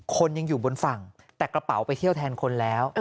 คนยังอยู่บนฝั่งแต่กระเป๋าไปเที่ยวแทนคนแล้ว